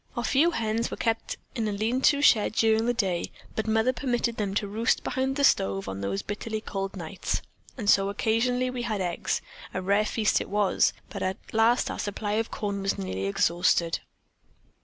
Our few hens were kept in a lean to shed during the day, but Mother permitted them to roost behind the stove on those bitterly cold nights, and so occasionally we had eggs, and a rare feast it was, but at last our supply of corn was nearly exhausted.